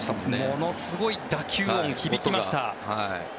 ものすごい打球音が響きました。